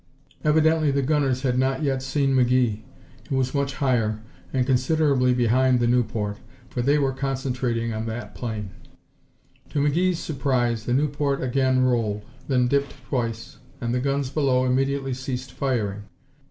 Evidently the gunners had not yet seen McGee, who was much higher and considerably behind the Nieuport, for they were concentrating on that plane. To McGee's surprise the Nieuport again rolled, then dipped twice, and the guns below immediately ceased firing.